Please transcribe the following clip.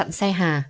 đừng chặn xe hà